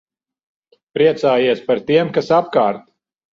Priecājies par tiem, kas apkārt.